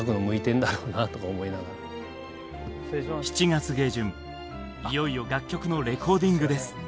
７月下旬、いよいよ楽曲のレコーディングです。